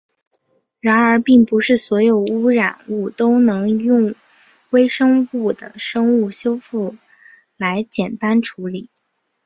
然而并不是所有的污染物都能用微生物的生物修复来简单处理。